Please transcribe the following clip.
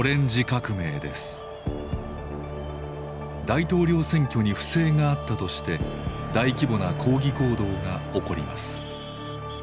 大統領選挙に不正があったとして大規模な抗議行動が起こります。